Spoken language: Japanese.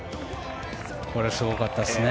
これすごかったですね。